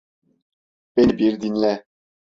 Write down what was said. Beni bir dinle.